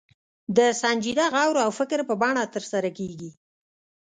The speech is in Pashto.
د سنجیده غور او فکر په بڼه ترسره کېږي.